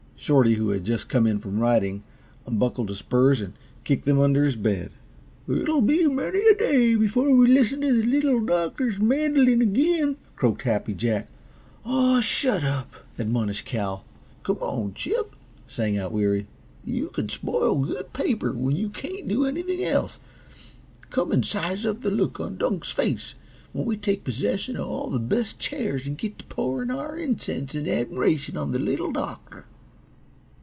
Shorty, who had just come in from riding, unbuckled his spurs and kicked them under his bed. "It'll be many a day b'fore we listen t' the Little Doctor's mandolin ag'in," croaked Happy Jack. "Aw, shut up!" admonished Cal. "Come on, Chip," sang out Weary. "You can spoil good paper when you can't do anything else. Come and size up the look on Dunk's face when we take possession of all the best chairs and get t' pouring our incense and admiration on the Little Doctor."